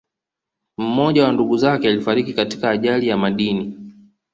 Mmoja wa ndugu zake alifariki katika ajali ya madini